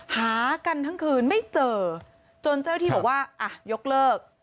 หากันทั้งคืนไม่เจอจนเจ้าที่บอกว่าอ่ะยกเลิก